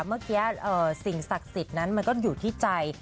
เมื่อกี้สิ่งศักดิ์สิทธิ์นั้นมันก็อยู่ที่ใจ